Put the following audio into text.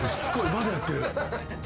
まだやってる。